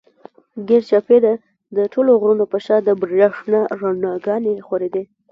ګېر چاپېره د ټولو غرونو پۀ شا د برېښنا رڼاګانې خورېدې